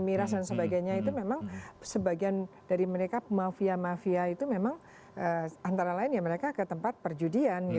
miras dan sebagainya itu memang sebagian dari mereka mafia mafia itu memang antara lain ya mereka ke tempat perjudian